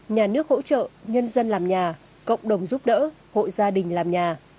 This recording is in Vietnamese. nhà nước hỗ trợ nhân dân làm nhà cộng đồng giúp đỡ hộ gia đình làm nhà